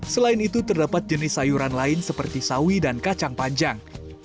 selain itu terdapat jenis sayuran lain seperti sawi dan kacang panjang